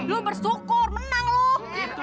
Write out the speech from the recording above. lu bersyukur menang lu